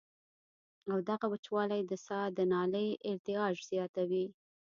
او دغه وچوالی د ساه د نالۍ ارتعاش زياتوي